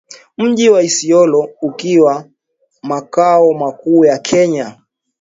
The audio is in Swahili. Mji wa Isiolo ukiwa makao makuu ya Kenya